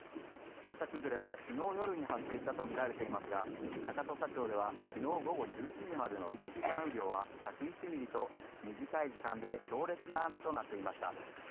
土砂崩れは昨日夜に発生したとみられていますが中土佐町では昨日午後１１時までの１時間雨量は１０１ミリと短い時間で強烈な雨となっていました。